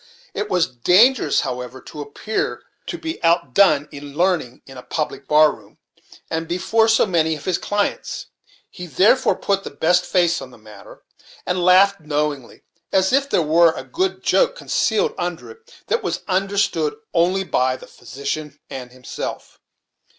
It was dangerous, however, to appear to be out done in learning in a public bar room, and before so many of his clients; he therefore put the best face on the matter, and laughed knowingly as if there were a good joke concealed under it, that was understood only by the physician and himself.